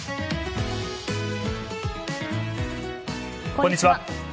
こんにちは。